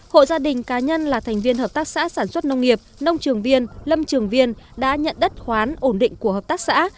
hộ gia đình cá nhân là thành viên hợp tác xã sản xuất nông nghiệp nông trường viên lâm trường viên đã nhận đất khoán ổn định của hợp tác xã